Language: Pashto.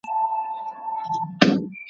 خر په پوه سوچی لېوه یې غوښي غواړي `